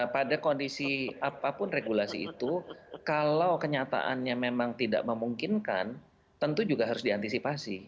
pada kondisi apapun regulasi itu kalau kenyataannya memang tidak memungkinkan tentu juga harus diantisipasi